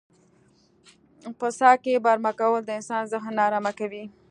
په څاه کې برمه کول د انسان ذهن نا ارامه کوي.